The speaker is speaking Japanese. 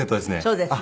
そうですね。